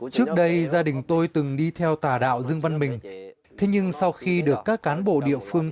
trước đây gia đình tôi từng đi theo tà đạo dương văn mình thế nhưng sau khi được các cán bộ địa phương